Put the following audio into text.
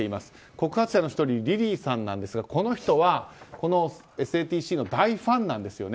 告発者の１人リリーさんなんですがこの人は、この「ＳＡＴＣ」の大ファンなんですよね。